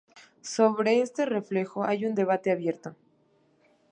Sobre este reflejo hay un debate abierto.